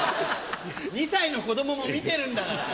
２歳の子供も見てるんだから。